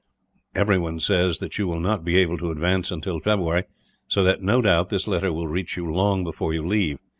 "Everyone says that you will not be able to advance until February; so that, no doubt, this letter will reach you long before you leave.